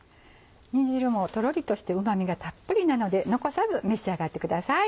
煮汁もとろりとしてうま味がたっぷりなので残さず召し上がってください。